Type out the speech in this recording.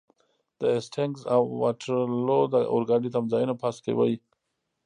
د هسټینګز او واټرلو د اورګاډي تمځایونه پاس کوئ.